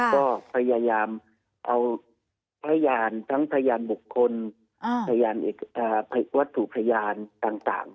ก็พยายามเอาพยานทั้งพยานบุคคลพยานวัตถุพยานต่าง